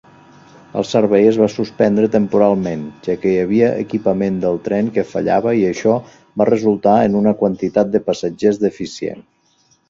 El servei es va suspendre "temporalment", ja que hi havia equipament del tren que fallava i això va resultar en una quantitat de passatgers deficient.